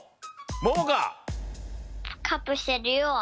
ももか。